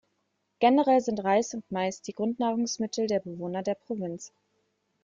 Generell sind Reis und Mais die Grundnahrungsmittel der Bewohner der Provinz.